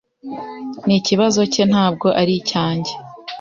Ni ikibazo cye, ntabwo ari icyanjye.